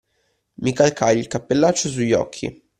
Mi calcai il cappellaccio su gli occhi